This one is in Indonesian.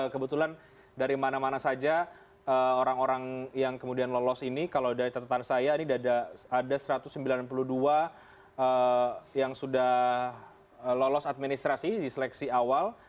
kebetulan dari mana mana saja orang orang yang kemudian lolos ini kalau dari catatan saya ini ada satu ratus sembilan puluh dua yang sudah lolos administrasi di seleksi awal